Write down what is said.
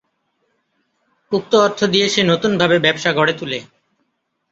উক্ত অর্থ দিয়ে সে নতুনভাবে ব্যবসা গড়ে তুলে।